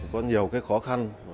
có nhiều khó khăn